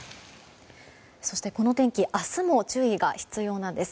そして、この天気明日も注意が必要なんです。